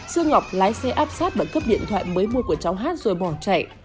dương ngọc lái xe áp sát và cướp điện thoại mới mua của cháu hát rồi bỏ chạy